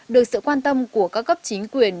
được sự quan tâm của các cấp chính quyền